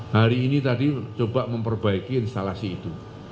hari ini tadi coba memperbaiki instalasi itu